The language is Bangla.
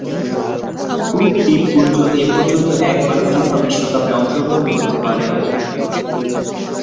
কুক দ্বীপপুঞ্জ এপর্যন্ত একবারও ফিফা বিশ্বকাপে অংশগ্রহণ করতে পারেনি।